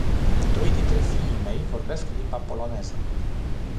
Doi dintre fiii mei vorbesc limba poloneză.